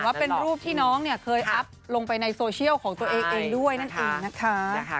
ว่าเป็นรูปที่น้องเนี่ยเคยอัพลงไปในโซเชียลของตัวเองเองด้วยนั่นเองนะคะ